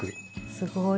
すごい。